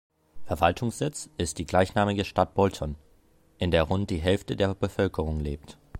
Verwaltungssitz ist die gleichnamige Stadt Bolton, in der rund die Hälfte der Bevölkerung lebt.